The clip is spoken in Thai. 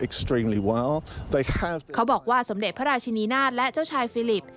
เขาบอกว่าสมเด็จพระราชินีนาฏและเจ้าชายฟิลิป